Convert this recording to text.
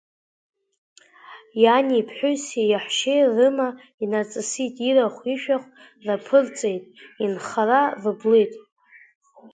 Иани, иԥҳәыси, иаҳәшьеи рыма инаҵысит, ирахә-ишәахә раԥырцеит, инхара рыблит.